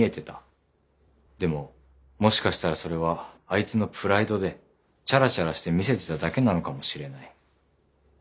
でももしかしたらそれはあいつのプライドでちゃらちゃらして見せてただけなのかもしれない。